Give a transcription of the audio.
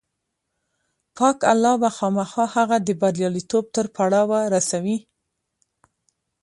پاک الله به خامخا هغه د برياليتوب تر پړاوه رسوي.